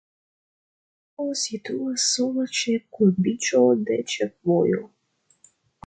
La kirko situas sola ĉe kurbiĝo de ĉefvojo.